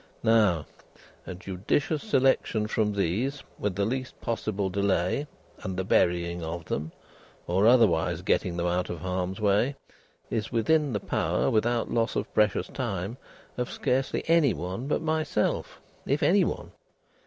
Now, a judicious selection from these with the least possible delay, and the burying of them, or otherwise getting of them out of harm's way, is within the power (without loss of precious time) of scarcely any one but myself, if any one.